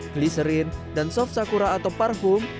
gliserin dan soft sakura atau parhum